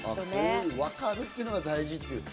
わかるっていうのが大事。